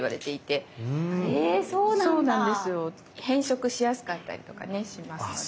変色しやすかったりとかねしますので。